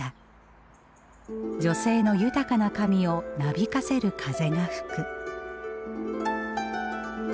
「女性の豊かな髪をなびかせる風が吹く」。